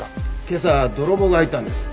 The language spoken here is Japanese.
今朝泥棒が入ったんです。